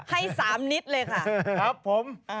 ให้๓นิดเลยค่ะครับผม